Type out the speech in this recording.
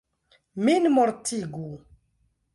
Min mortigu!